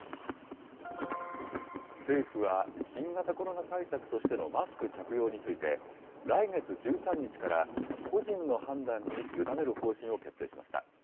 政府は、新型コロナ対策としてのマスク着用について、来月１３日から、個人の判断に委ねる方針を決定しました。